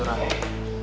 gak jadi gitu rake